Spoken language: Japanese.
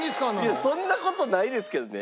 いやそんな事ないですけどね。